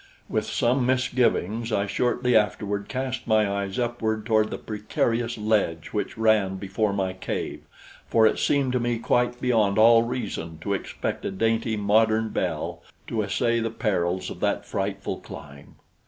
With some misgivings I shortly afterward cast my eyes upward toward the precarious ledge which ran before my cave, for it seemed to me quite beyond all reason to expect a dainty modern belle to essay the perils of that frightful climb.